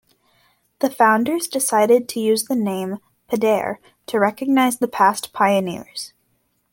The founders decided to use the name "Pedare" to recognise the past pioneers.